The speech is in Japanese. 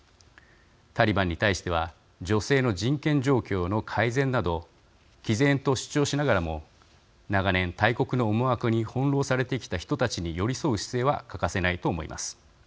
タリバンに対しては女性の人権状況の改善などきぜんと主張しながらも長年大国の思惑に翻弄されてきた人たちに寄り添う姿勢は欠かせないと思います。